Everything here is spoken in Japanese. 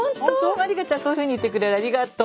茉莉花ちゃんそういうふうに言ってくれるありがとう。